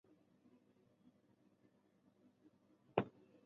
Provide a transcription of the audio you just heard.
舞台正面是最引人注目以及剧场最具有特点的部分。